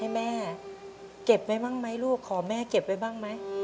แม่เก็บไว้บ้างไหมลูกขอแม่เก็บไว้บ้างไหม